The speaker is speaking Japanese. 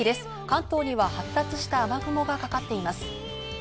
関東には発達した雨雲がかかっています。